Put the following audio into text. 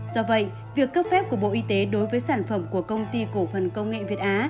do vậy việc cấp phép của bộ y tế đối với sản phẩm của công ty cổ phần công nghệ việt á